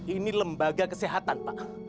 ini lembaga kesehatan pak